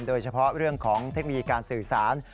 โดยเฉพาะเรื่องของเทคโนโลยีการสื่อสาร